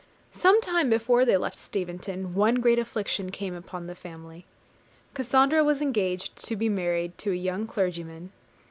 Some time before they left Steventon, one great affliction came upon the family. Cassandra was engaged to be married to a young clergyman.